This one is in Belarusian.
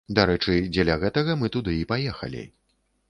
Дарэчы, дзеля гэтага мы туды і паехалі.